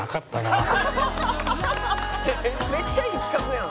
めっちゃいい企画やん！